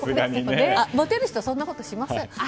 モテる人そんなことしません！